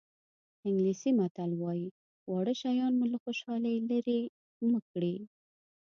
انګلیسي متل وایي واړه شیان مو له خوشحالۍ لرې مه کړي.